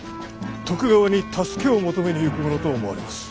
徳川に助けを求めに行くものと思われます。